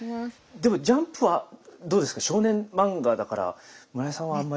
でも「ジャンプ」はどうですか少年漫画だから村井さんはあんまり。